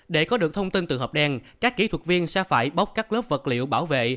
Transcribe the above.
để có được thông tin từ hộp đen các kỹ thuật viên sẽ phải bốc các lớp vật liệu bảo vệ